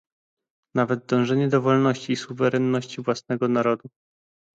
Nawet dążenie do wolności i suwerenności własnego narodu